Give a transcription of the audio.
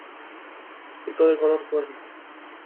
Pico de color cuerno.